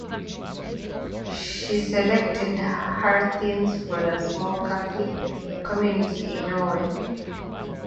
She selected her themes from the small Catholic community in Norway.